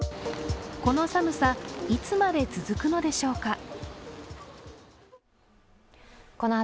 この寒さ、いつまで続くのでしょうか。